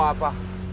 kau mau apa